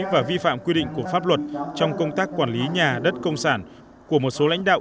và vi phạm quy định của pháp luật trong công tác quản lý nhà đất công sản của một số lãnh đạo